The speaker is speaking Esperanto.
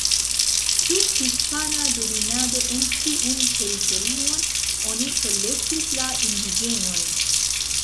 Sub hispana dominado en tiun teritorion oni kolektis la indiĝenojn.